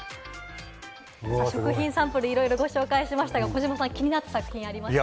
食品サンプル、いろいろご紹介しましたが児嶋さん気になった作品ありましたか？